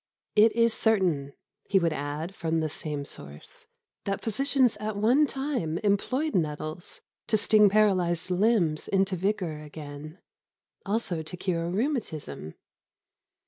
It is certain," he would add from the same source, "that physicians at one time employed nettles to sting paralysed limbs into vigour again, also to cure rheumatism.